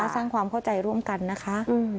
สร้างความเข้าใจร่วมกันนะคะ